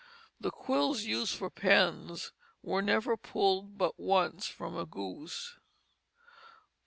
The quills, used for pens, were never pulled but once from a goose.